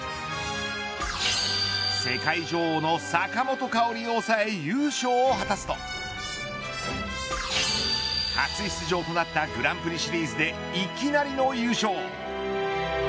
世界女王の坂本花織を抑え優勝を果たすと初出場となったグランプリシリーズでいきなりの優勝。